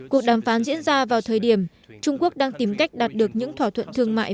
cuộc đàm phán diễn ra vào thời điểm trung quốc đang tìm cách đạt được những thỏa thuận thương mại